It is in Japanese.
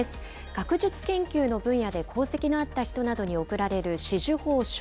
学術研究の分野で功績のあった人などに贈られる紫綬褒章。